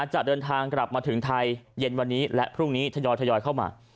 จะเดินทางกลับมาถึงไทยเย็นวันนี้และพรุ่งนี้ทยอยเข้ามา